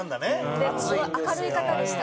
でもすごい明るい方でした。